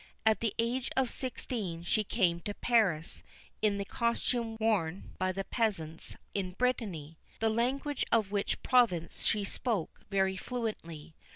At the age of sixteen, she came to Paris in the costume worn by the peasants in Brittany, the language of which province she spoke very fluently.